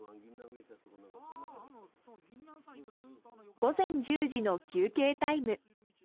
午前１０時の休憩タイム。